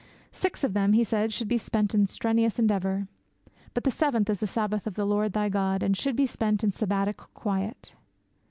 Six of them, he said, should be spent in strenuous endeavour. But the seventh is the Sabbath of the Lord thy God, and should be spent in Sabbatic quiet.